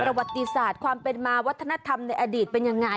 ประวัติศาสตร์ความเป็นมาวัฒนธรรมในอดีตเป็นยังไง